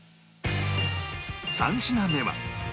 ３品目は